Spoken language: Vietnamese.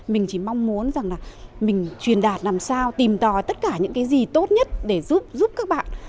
mình chỉ mong muốn rằng là mình truyền đạt làm sao tìm tòi tất cả những cái gì tốt nhất để giúp các bạn